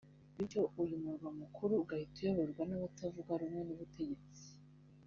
bityo uyu murwa mukuru ugahita uyoborwa n’abatavuga rumwe n’ubutegetsi